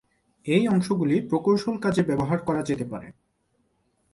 এই অংশগুলি প্রকৌশল কাজে ব্যবহার করা যেতে পারে।